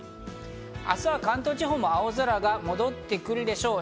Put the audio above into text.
明日は関東地方も青空が戻ってくるでしょう。